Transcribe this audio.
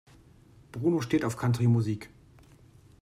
Bruno steht auf Country-Musik.